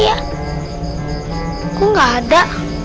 ya aku enggak ada